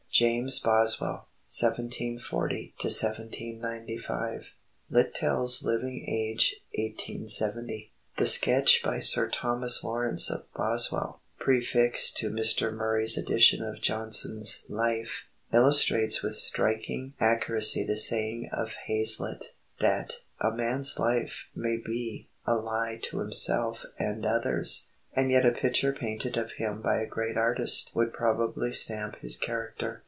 JAMES BOSWELL 1740 1795 [Sidenote: Littell's Living Age, 1870. *] "The sketch by Sir Thomas Lawrence of Boswell, prefixed to Mr. Murray's edition of Johnson's Life, illustrates with striking accuracy the saying of Hazlitt, that 'A man's life may be a lie to himself and others; and yet a picture painted of him by a great artist would probably stamp his character.